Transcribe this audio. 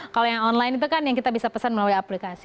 kalau yang online itu kan yang kita bisa pesan melalui aplikasi